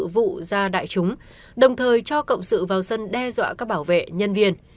vụ ra đại chúng đồng thời cho cộng sự vào sân đe dọa các bảo vệ nhân viên